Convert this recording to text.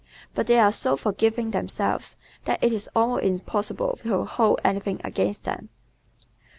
But they are so forgiving themselves that it is almost impossible to hold anything against them.